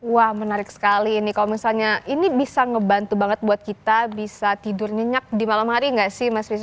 wah menarik sekali ini kalau misalnya ini bisa ngebantu banget buat kita bisa tidur nyenyak di malam hari nggak sih mas rizk